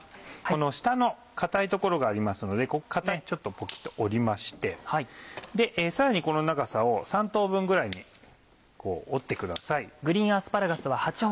この下の硬い所がありますのでちょっとポキっと折りましてさらにこの長さを３等分ぐらいに折ってください。